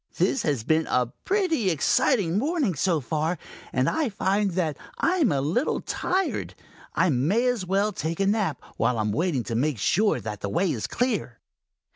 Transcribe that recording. "This has been a pretty exciting morning so far, and I find that I am a little tired. I may as well take a nap while I am waiting to make sure that the way is clear."